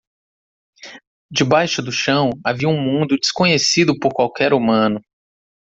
Debaixo do chão havia um mundo desconhecido por qualquer humano.